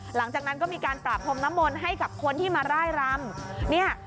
หลังจากนั้นก็มีการปราบธรรมนมลให้กับคนที่มาไล่รำ